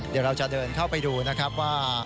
เดี๋ยวเราจะเดินเข้าไปดูนะครับว่า